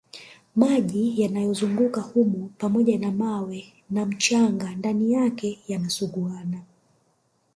Maji yanayozunguka humo pamoja na mawe na mchanga ndani yake yanasuguana